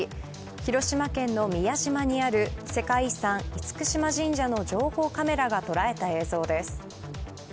広島県の宮島にある世界遺産、厳島神社の情報カメラが捉えた映像です。